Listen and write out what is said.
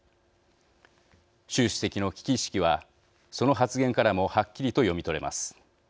習主席の危機意識はその発言からもはっきりと読み取れます。